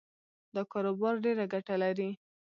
دا کاروبار ډېره ګټه لري